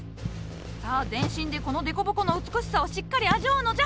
さあ全身でこの凸凹の美しさをしっかり味わうのじゃ。